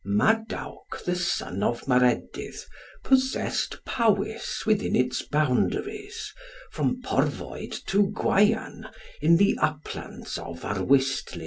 Madawc the son of Maredudd possessed Powys within its boundaries, from Porfoed to Gwauan in the uplands of Arwystli.